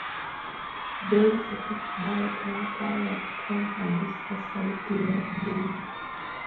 Dave Segal ambaye badaye alikuwa mhandisi wa sauti ya Dube